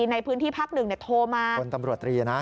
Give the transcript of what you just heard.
ในพื้นที่พัก๑โทรมาพลตำรวจตรีนะ